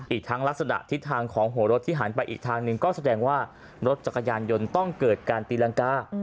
อีกทั้งลักษณะทิศทางของหัวรถที่หันไปอีกทางหนึ่งก็แสดงว่ารถจักรยานยนต์ต้องเกิดการตีรังกา